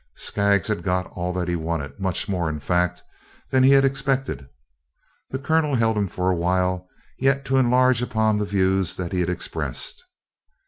Skaggs had got all that he wanted; much more, in fact, than he had expected. The Colonel held him for a while yet to enlarge upon the views that he had expressed.